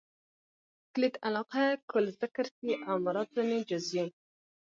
کلیت علاقه؛ کل ذکر سي او مراد ځني جز يي.